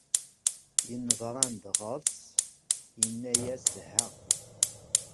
Yenneḍran-d ɣer-s, yenna-as Ha!.